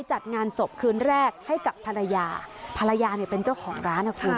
จัดงานศพคืนแรกให้กับภรรยาภรรยาเนี่ยเป็นเจ้าของร้านนะคุณ